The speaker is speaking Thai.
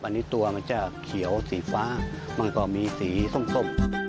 อันนี้ตัวมันจะเขียวสีฟ้ามันก็มีสีส้ม